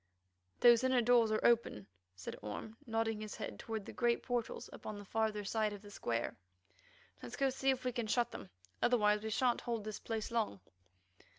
"Those inner doors are open," said Orme, nodding his head toward the great portals upon the farther side of the square. "Let's go see if we can shut them. Otherwise we shan't hold this place long."